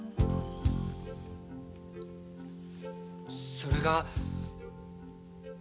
それが。